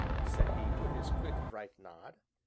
said he, with his quick, bright nod.